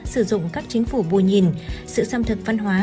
sử dụng các chính phủ bù nhìn sự xâm thực văn hóa